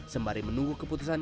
sembari menunggu keputusan